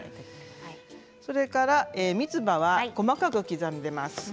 それから、みつばは細かく刻んでいます。